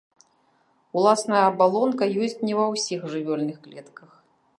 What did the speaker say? Уласна абалонка ёсць не ва ўсіх жывёльных клетках.